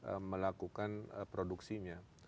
yang akan melakukan produksinya